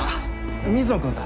水野君さ。